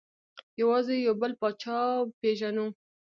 یوازې یو بل پاچا پېژنو.